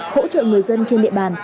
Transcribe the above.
hỗ trợ người dân trên địa bàn